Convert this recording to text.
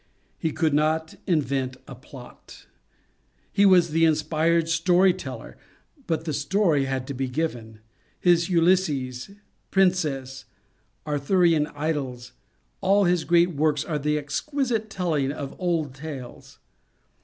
He could not invent a plot. He was the inspired story teller, but the story had' to be given. His Ulysses, Princess, Arthurian Idylls, all his great works, are the exquisite telling of old tales.